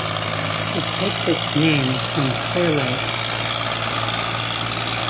It takes its name from Clear Lake.